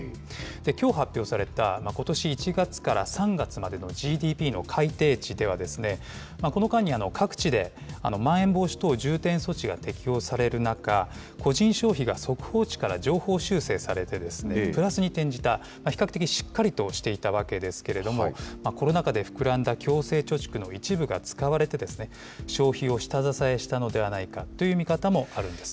きょう発表された、ことし１月から３月までのＧＤＰの改定値では、この間に、各地でまん延防止等重点措置が適用される中、個人消費が速報値から上方修正されて、プラスに転じた、比較的、しっかりとしていたわけですけれども、コロナ禍で膨らんだ強制貯蓄の一部が使われて、消費を下支えしたのではないかという見方もあるんです。